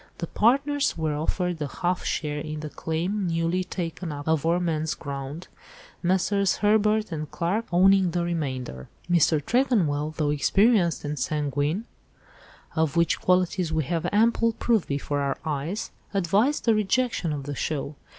The partners were offered a half share in the claim newly taken up of four men's ground, Messrs. Herbert and Clarke owning the remainder. Mr. Tregonwell, though experienced and sanguine—of which qualities we have ample proof before our eyes—advised the rejection of the 'show.